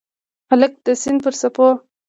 هلک د سیند پر څپو